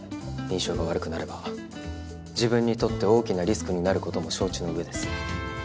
印象が悪くなれば自分にとって大きなリスクになる事も承知の上です。